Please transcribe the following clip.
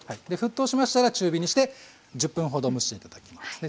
沸騰しましたら中火にして１０分ほど蒸して頂きます。